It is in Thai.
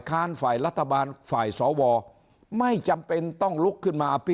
ฝ่ายรัฐบาลฝ่ายสวไม่จำเป็นต้องลุกขึ้นมาอภิ